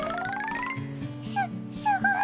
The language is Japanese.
すすごい！